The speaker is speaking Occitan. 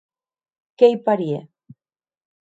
Qu'ei parièr.